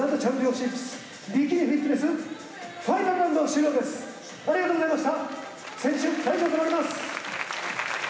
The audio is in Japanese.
選手退場となります